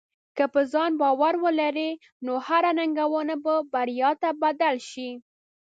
که په ځان باور لرې، نو هره ننګونه به بریا ته بدل شې.